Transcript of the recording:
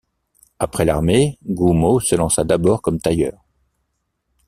Après l'Armée, Gummo se lança d'abord comme tailleur.